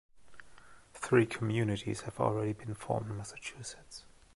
Three communities have already been formed in Massachusetts.